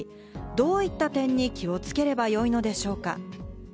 どういった点に気をつければよいのでしょうか？